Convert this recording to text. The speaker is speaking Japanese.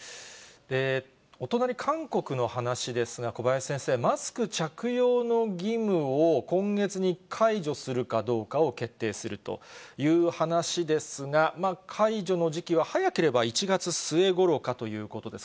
お隣、韓国の話ですが、小林先生、マスク着用の義務を、今月に解除するかどうかを決定するという話ですが、解除の時期は早ければ１月末ごろかということです。